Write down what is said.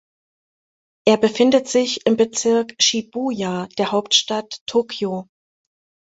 Er befindet sich im Bezirk Shibuya der Hauptstadt Tokio.